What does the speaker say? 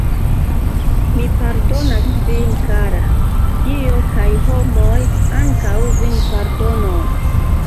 Mi pardonas vin, kara; Dio kaj la homoj ankaŭ vin pardonos.